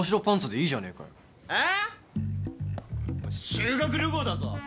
修学旅行だぞ。